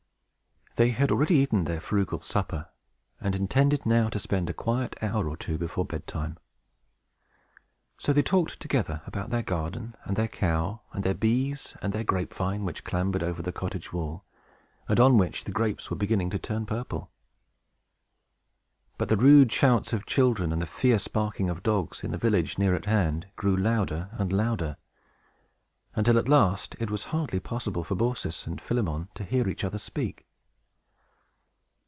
They had already eaten their frugal supper, and intended now to spend a quiet hour or two before bedtime. So they talked together about their garden, and their cow, and their bees, and their grapevine, which clambered over the cottage wall, and on which the grapes were beginning to turn purple. But the rude shouts of children and the fierce barking of dogs, in the village near at hand, grew louder and louder, until, at last, it was hardly possible for Baucis and Philemon to hear each other speak.